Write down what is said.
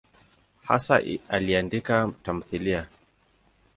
Hasa aliandika tamthiliya.